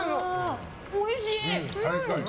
おいしい！